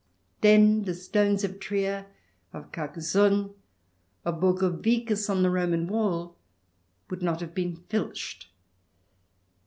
Then the stones of Trier, of Carcassonne, of Borcovicus on the Roman wall, would not have been filched.